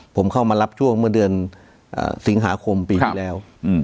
ผมเข้ามารับช่วงเมื่อเดือนสิงหาคมปีที่แล้ว